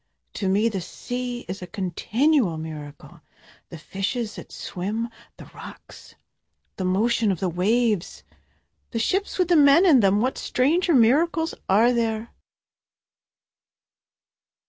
To me the sea is a continual miracle, The fishes that swim the rocks the motion of the waves the ships with the men in them, What stranger miracles are there?